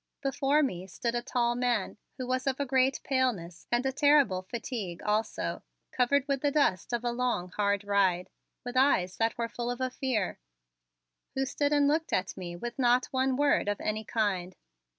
Before me stood a tall man who was of a great paleness and a terrible fatigue also, covered with the dust of a long, hard ride, with eyes that were full of a fear, who stood and looked at me with not one word of any kind.